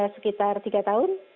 sekitar tiga tahun